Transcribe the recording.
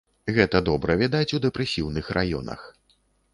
Гэта добра відаць у дэпрэсіўных раёнах.